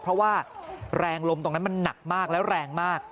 เพราะว่าแรงลมตรงนั้นมันหนักมากแล้วแรงมาก